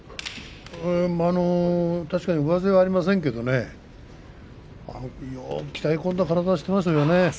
確かに上背はありませんけれどよく鍛え込んだ体をしていますよね。